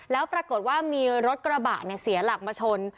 แล้วปรากฏว่ามีรถกระบะเสียหลักมาชน